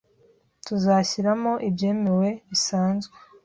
Tuzashyiramo ibyemewe bisanzwe